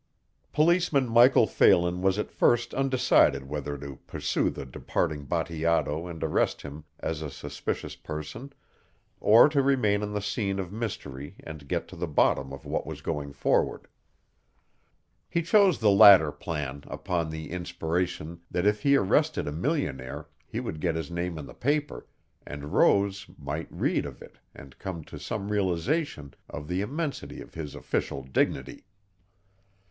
Policeman Michael Phelan was at first undecided whether to pursue the departing Bateato and arrest him as a suspicious person or to remain on the scene of mystery and get to the bottom of what was going forward. He chose the latter plan upon the inspiration that if he arrested a millionaire he would get his name in the paper and Rose might read of it and come to some realization of the immensity of his official dignity.